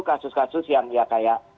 kasus kasus yang ya kayak